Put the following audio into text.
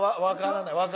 分からない。